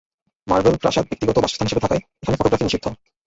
Marble প্রাসাদ ব্যক্তিগত বাসস্থান হিসেবে থাকায়, এখানে ফটোগ্রাফি নিষিদ্ধ।